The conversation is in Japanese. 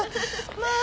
まあ。